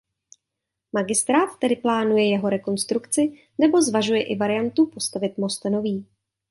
Magistrát tedy plánuje jeho rekonstrukci nebo zvažuje i variantu postavit most nový.